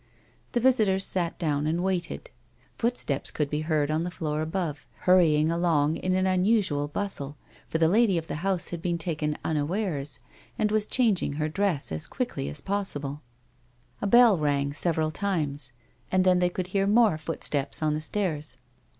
The visitors sat down and waited. Footsteps could be heard on the floor above, hurrying along in an unusual bustle, for the lady of the house had been taken unawares and was changing her dress as quickly as possible ; a bell rang several times and then they could hear more footsteps on the stairs.